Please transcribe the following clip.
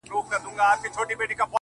• خو په زړو کي غلیمان د یوه بل دي,